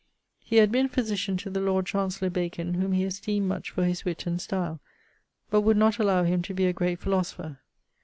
He had been physitian to the Lord Chancellor Bacon, whom he esteemed much for his witt and style, but would not allow him to be a great philosopher.